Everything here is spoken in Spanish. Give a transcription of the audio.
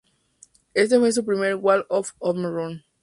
Este fue su primer walk-off home run.